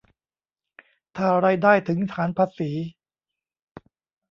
ถ้ารายได้ถึงฐานภาษี